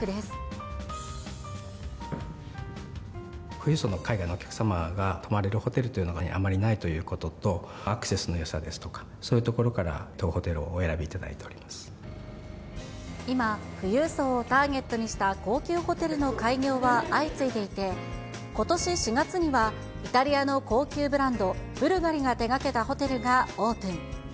富裕層の海外のお客様が泊まれるホテルというのがあまりないということと、アクセスのよさですとか、そういうところから、当ホテルをお選びいただいており今、富裕層をターゲットにした高級ホテルの開業は相次いでいて、ことし４月には、イタリアの高級ブランド、ブルガリが手がけたホテルがオープン。